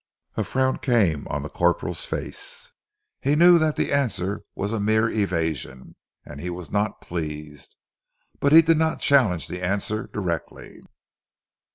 A frown came on the corporal's face. He knew that the answer was a mere evasion, and he was not pleased. But he did not challenge the answer directly.